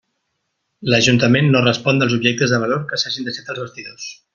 L'Ajuntament no respon dels objectes de valor que s'hagin deixat als vestidors.